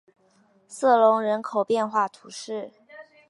瑟隆人口变化图示